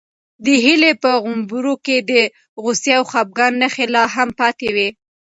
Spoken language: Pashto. د هیلې په غومبورو کې د غوسې او خپګان نښې لا هم پاتې وې.